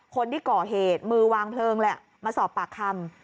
คนที่ก่อเหตุมือวางเพลิงแหละมาสอบปากคำ